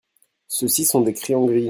Ceux-ci sont des crayons gris.